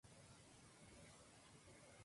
Hijo de Juan de Amasa.